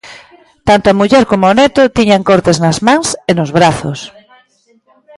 Tanto a muller como o neto tiñan cortes nas mans e nos brazos.